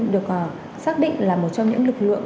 được xác định là một trong những lực lượng